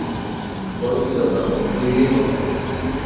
ভয় কী দাদা, দু-ই হবে!